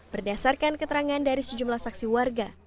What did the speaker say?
berdasarkan keterangan dari sejumlah saksi warga